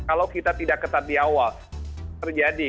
kalau kita tidak ketat di awal terjadi